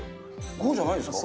こうじゃないんですか？